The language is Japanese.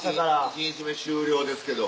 １日目終了ですけど。